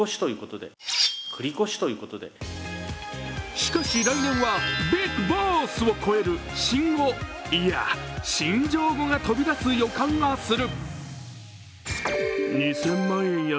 しかし、来年はビッグボスを超える新語、いや、新庄語が飛び出す予感がする。